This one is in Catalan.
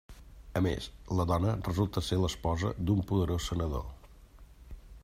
A més, la dona resulta ser l'esposa d'un poderós senador.